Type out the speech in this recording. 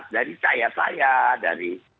dari saya saya dari